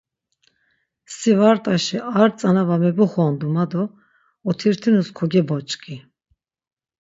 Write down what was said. Si var t̆aşi ar tzana var mebuxondu ma do otirtinus kogeboç̌ǩi.